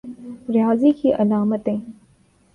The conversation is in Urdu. ریاضی کی علامتیں